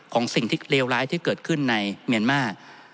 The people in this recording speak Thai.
ของสิ่งที่เลวร้ายที่เกิดขึ้นในเมียนมาร์